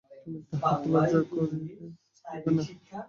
তুমি তাঁহাকে লজ্জা করিলে চলিবে না।